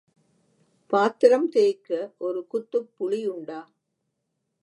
பாத்திரந் தேய்க்க ஒரு குத்துப் புளியுண்டா?